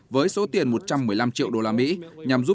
với số tiền một trăm một mươi năm triệu đô la mỹ